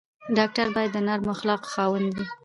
ډاکټر باید د نرمو اخلاقو خاوند وي.